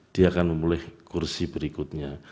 dia akan memulai kursi berikutnya